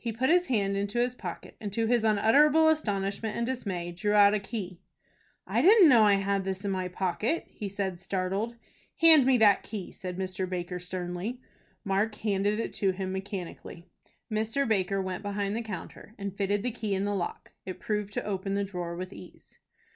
He put his hand into his pocket, and, to his unutterable astonishment and dismay, drew out a key. "I didn't know I had this in my pocket," he said, startled. "Hand me that key," said Mr. Baker, sternly. Mark handed it to him mechanically. Mr. Baker went behind the counter, and fitted the key in the lock. It proved to open the drawer with ease.